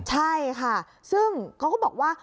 ใช่ค่ะซึ่งเขาก็บอกว่า